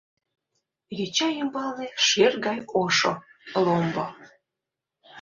Йоча ӱмбалне шӧр гай ошо — ломбо.